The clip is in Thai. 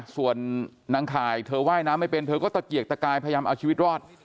ส่วนนางข่ายเธอว่ายน้ำไม่เป็นเธอก็ตะเกียกตะกายพยายามเอาชีวิตรอด